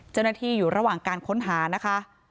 เจ้าหน้าที่อยู่ระหว่างการค้นหานะคะ